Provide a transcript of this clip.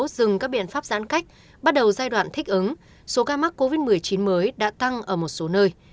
dừng các biện pháp giãn cách bắt đầu giai đoạn thích ứng số ca mắc covid một mươi chín mới đã tăng ở một số nơi